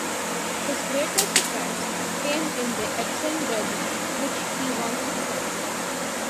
His greatest triumphs came in the Epsom Derby which he won six times.